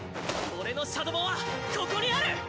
俺のシャドバはここにある！